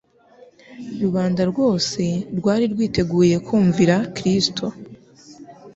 Rubanda rwose rwari rwiteguye kumvira Kristo.